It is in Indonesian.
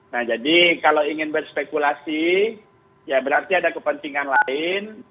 nah jadi kalau ingin berspekulasi ya berarti ada kepentingan lain